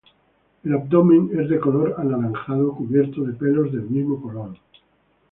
El abdomen es de color anaranjado cubierto de pelos del mismo color.